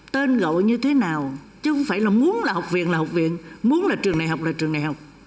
tên gọi như thế nào chứ không phải là muốn là học viên là học viện muốn là trường đại học là trường đại học